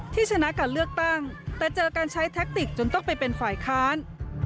ชนะการเลือกตั้งแต่เจอการใช้แท็กติกจนต้องไปเป็นฝ่ายค้าน